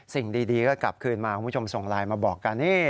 สิ่งดีก็กลับคืนมาคุณผู้ชมส่งไลน์มาบอกกันนี่